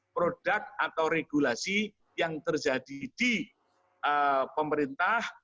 produk atau regulasi yang terjadi di pemerintah